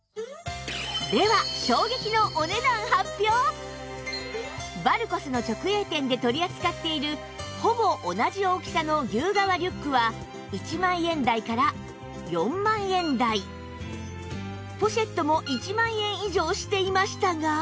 では衝撃のバルコスの直営店で取り扱っているほぼ同じ大きさの牛革リュックは１万円台から４万円台ポシェットも１万円以上していましたが